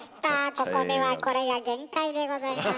ここではこれが限界でございます。